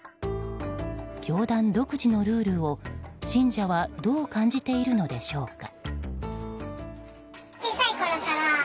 教団独自のルールを、信者はどう感じているのでしょうか。